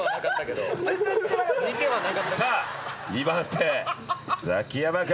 さあ２番手ザキヤマ君